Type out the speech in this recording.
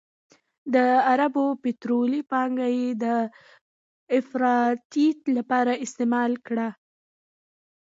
د عربو پطرولي پانګه یې د افراطیت لپاره استعمال کړه.